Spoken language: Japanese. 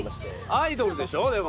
アイドルでしょでも。